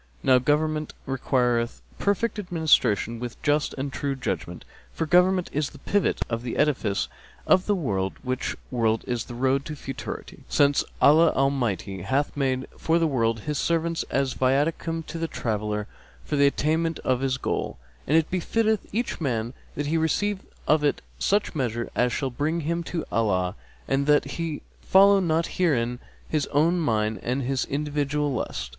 Now government requireth perfect administration with just and true judgment; for government is the pivot of the edifice of the world, which world is the road to futurity; since Allah Almighty hath made the world for His servants as viaticum to the traveller for the attainment of his goal; and it befitteth each man that he receive of it such measure as shall bring him to Allah, and that he follow not herein his own mind and his individual lust.